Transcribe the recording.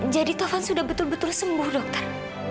jadi taufan sudah betul betul sembuh dokter